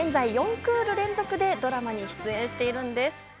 クール連続でドラマに出演しているんです。